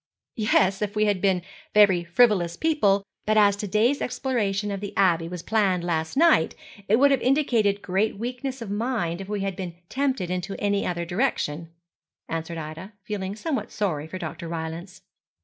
'Yes, if we had been very frivolous people; but as to day's exploration of the Abbey was planned last night, it would have indicated great weakness of mind if we had been tempted into any other direction,' answered Ida, feeling somewhat sorry for Dr. Rylance.